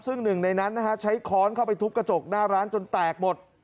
ซึ่งหนึ่งในนั้นนะฮะใช้ค้อนเข้าไปทุบกระจกหน้าร้านจนแตกหมด